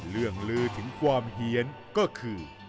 เรื่องลือถึงความเฮียนก็คือ